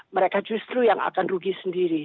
mereka justru yang akan rugi sendiri